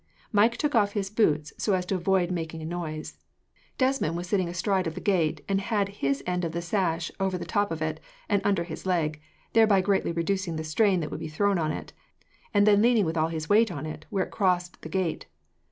Mike took off his boots, so as to avoid making a noise. Desmond was sitting astride of the gate, and had his end of the sash over the top of it, and under his leg, thereby greatly reducing the strain that would be thrown on it, and then leaning with all his weight on it, where it crossed the gate.